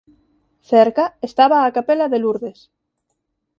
Cerca estaba a capela de Lourdes.